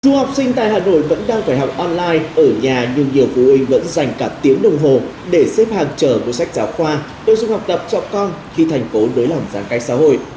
dù học sinh tại hà nội vẫn đang phải học online ở nhà nhưng nhiều phụ huynh vẫn dành cả tiếng đồng hồ để xếp hàng trở mua sách giáo khoa đưa dung học tập cho con khi thành phố đối lòng giãn cách xã hội